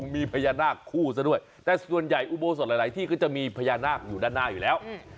มีพญานาคคู่ซะด้วยแต่ส่วนใหญ่อุโบสถหลายที่ก็จะมีพญานาคอยู่ด้านหน้าอยู่แล้ว